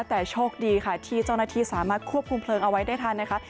แต่โชคดีค่ะที่เจ้าหน้าที่สามารถควบคุมเพลิงเอาไว้ได้ทันนะคะ